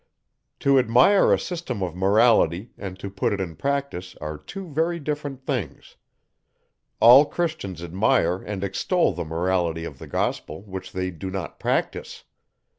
To admire a system of Morality, and to put it in practice, are two very different things. All Christians admire and extol the Morality of the gospel; which they do not practise.